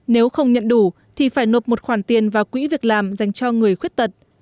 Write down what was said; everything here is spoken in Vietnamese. nếu không nhận đủ thì phải nộp một khoản tiền vào quỹ việc làm dành cho người khuyết tật